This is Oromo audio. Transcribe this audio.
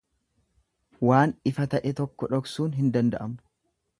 Waan ifa ta'e tokko dhoksuun hin danda'amu.